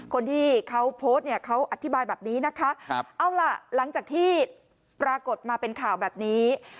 คนที่เขาโพสต์เนี่ยเขาอธิบายแบบนี้นะคะเอาล่ะหลังจากที่ปรากฏมาเป็นข่าวแบบนี้